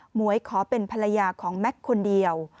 หวยขอเป็นภรรยาของแม็กซ์คนเดียว